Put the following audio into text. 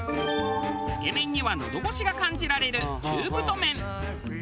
つけめんには喉ごしが感じられる中太麺。